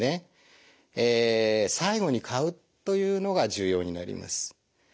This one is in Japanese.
最後に買うというのが重要になります。